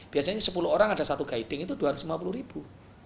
biasanya sepuluh orang ada satu guiding itu dua ratus lima puluh ribu